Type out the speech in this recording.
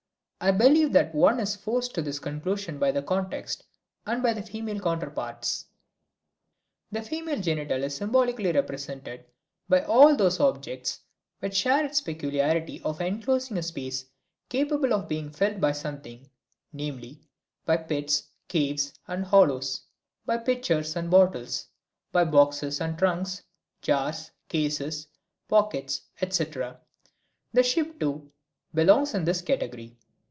I believe that one is forced to this conclusion by the context and by the female counterparts. The female genital is symbolically represented by all those objects which share its peculiarity of enclosing a space capable of being filled by something viz., by pits, caves, and hollows, by pitchers and bottles, by boxes and trunks, jars, cases, pockets, etc. The ship, too, belongs in this category.